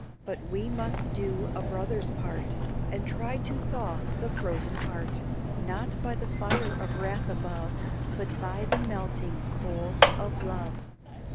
But we must do a brother's part, And try to thaw the frozen heart; Not by the fire of wrath above, But by the melting coals of love.